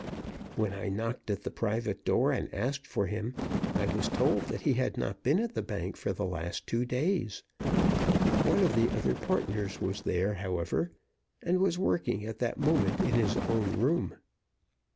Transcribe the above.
When I knocked at the private door and asked for him, I was told that he had not been at the bank for the last two days. One of the other partners was there, however, and was working at that moment in his own room.